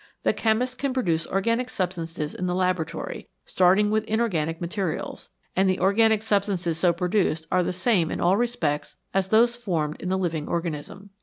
The chemist can produce organic substances in the laboratory, starting with inorganic materials, and the organic substances so produced are the same in all respects as those formed in the living organism.